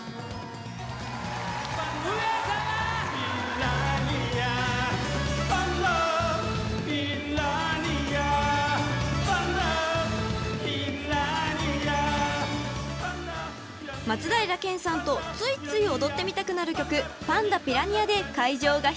「パンダピラニアパンダピラニアパンダピラニア」［松平健さんとついつい踊ってみたくなる曲『パンダピラニア』で会場が一つに］